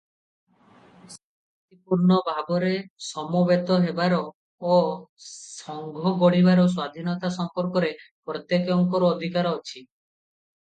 ଶାନ୍ତିପୂର୍ଣ୍ଣ ଭାବରେ ସମବେତ ହେବାର ଓ ସଂଘ ଗଢ଼ିବାର ସ୍ୱାଧୀନତା ସମ୍ପର୍କରେ ପ୍ରତ୍ୟେକଙ୍କର ଅଧିକାର ଅଛି ।